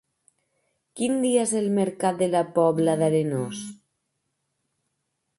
Quin dia és el mercat de la Pobla d'Arenós?